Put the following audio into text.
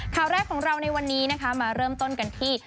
ข่าวแรกของเราในวันนี้นะคะมาเริ่มต้นกันที่